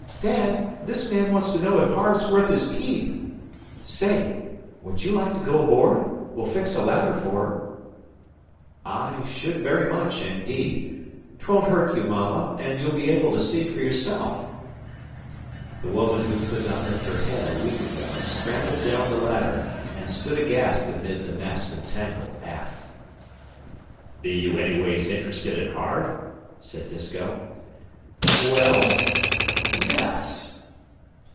Dad, this man wants to know ef Harve's worth his keep. Say, would you like to go aboard? We'll fix up a ladder for her." "I should very much, indeed. 'Twon't hurt you, Mama, and you'll be able to see for yourself." The woman who could not lift her head a week ago scrambled down the ladder, and stood aghast amid the mess and tangle aft. "Be you anyways interested in Harve?" said Disko. "Well, ye es."